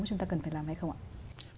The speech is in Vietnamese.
chúng ta cần phải làm hay không ạ